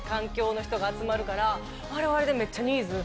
あれはあれでめっちゃ。